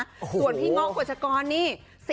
ส่วนพี่เงากวนชะครนี่๔๘